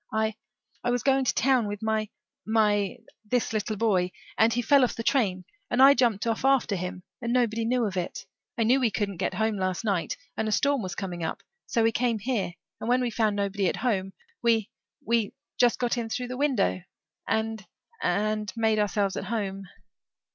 I I was going to town with my my this little boy and he fell off the train and I jumped off after him and nobody knew of it. I knew we couldn't get home last night and a storm was coming up so we came here and when we found nobody at home we we just got in through the window and and made ourselves at home."